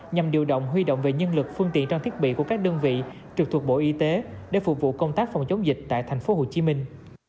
nhằm điều động huy động về nhân lực phương tiện trang thiết bị của các đơn vị trực thuộc bộ y tế để phục vụ công tác phòng chống dịch tại thành phố hồ chí minh